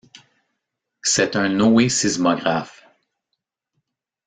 C’est un noésismographe.